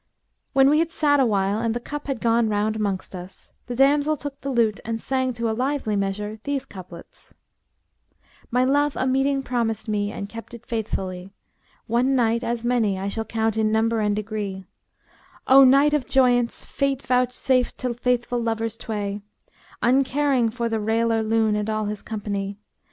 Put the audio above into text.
When we had sat awhile and the cup had gone round amongst us, the damsel took the lute and sang to a lively measure these couplets, My love a meeting promised me and kept it faithfully, * One night as many I shall count in number and degree: O Night of joyance Fate vouchsafed to faithful lovers tway, * Uncaring for the railer loon and all his company!